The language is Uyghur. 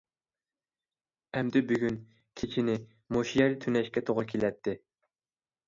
ئەمدى بۈگۈن كېچىنى مۇشۇ يەردە تۈنەشكە توغرا كېلەتتى.